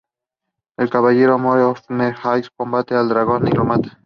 El caballero More of More Hall combate al dragón y lo mata.